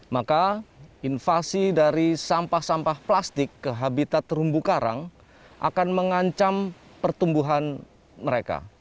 maka invasi dari sampah sampah plastik ke habitat terumbu karang akan mengancam pertumbuhan mereka